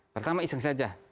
pertama iseng saja